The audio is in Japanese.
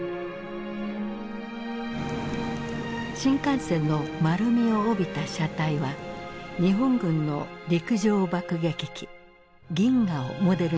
新幹線の丸みを帯びた車体は日本軍の陸上爆撃機銀河をモデルにしてつくられた。